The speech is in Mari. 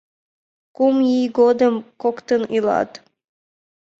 Кум ий годым коктын илат.